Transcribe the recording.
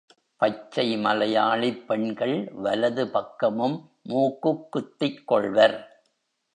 பச்சை மலையாளிப் பெண்கள் வலது பக்கமும் மூக்குக் குத்திக் கொள்வர்.